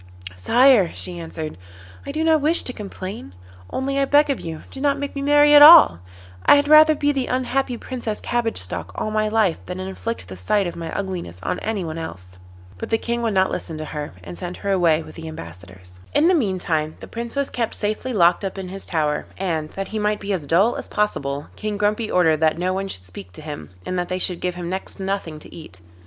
'Sire,' she answered, 'I do not wish to complain, only I beg of you do not make me marry at all. I had rather be the unhappy Princess Cabbage Stalk all my life than inflict the sight of my ugliness on anyone else.' But the King would not listen to her, and sent her away with the ambassadors. In the meantime the Prince was kept safely locked up in his tower, and, that he might be as dull as possible, King Grumpy ordered that no one should speak to him, and that they should give him next to nothing to eat.